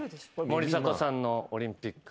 森迫さんの「オリンピック」